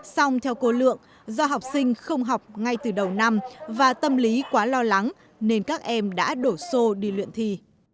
xong theo cô lượng do học sinh không học ngay từ đầu năm và tâm lý quá lo lắng nên các em đã đổ xô đi luyện thi